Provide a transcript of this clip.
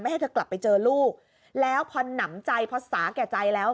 ให้เธอกลับไปเจอลูกแล้วพอหนำใจภาษาแก่ใจแล้ว